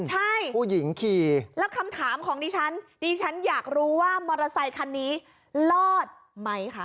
ใช่ผู้หญิงขี่แล้วคำถามของดิฉันดิฉันอยากรู้ว่ามอเตอร์ไซคันนี้รอดไหมคะ